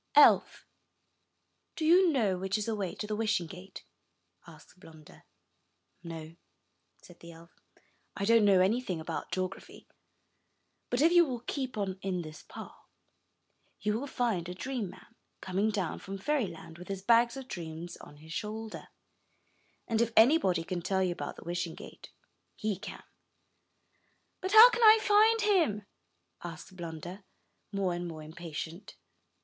''Elf, do you know which is the way to the Wishing Gate?'' asked Blunder. ''No,*' said the elf, "I don't know anything about geography. But if you will keep on in this path, you will find a Dream man, coming down from fairyland, with his bags of dreams on his shoulder; and if any body can tell you about the Wishing Gate, he can.*' "But how can I find him?" asked Blunder more and more impatient.